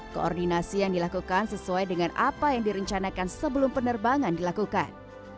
koordinasi yang dilakukan sesuai dengan apa yang direncanakan sebelum penerbangan dilakukan